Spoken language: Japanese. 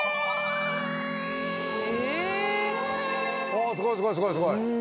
あすごいすごいすごいすごい。